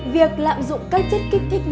việc lạm dụng các chất kích thích nhỏ